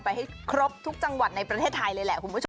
ไปให้ครบทุกจังหวัดในประเทศไทยเลยแหละคุณผู้ชม